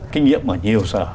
kinh nghiệm ở nhiều sở